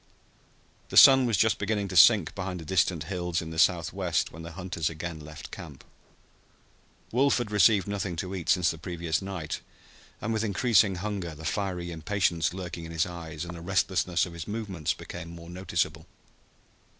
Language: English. The sun was just beginning to sink behind the distant hills in the southwest when the hunters again left camp. Wolf had received nothing to eat since the previous night, and with increasing hunger the fiery impatience lurking in his eyes and the restlessness of his movements became more noticeable.